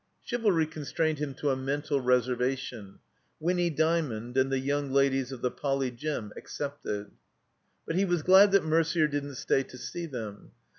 Chivalry constrained him to a mental reservation: Winny Dymond and the yoimg ladies of the Poly. Gym. excepted. But he was glad that Merder didn't stay to see them.